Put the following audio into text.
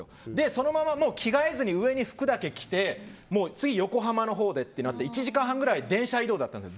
そのまま、着替えずに上に服だけ着て次、横浜のほうでってなって１時間半くらい電車移動だったんです。